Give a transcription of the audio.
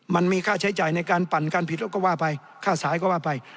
มันมีค่าใช้จ่ายในการปั่นการผิดแล้วก็ว่าไปค่าสายก็ว่าไป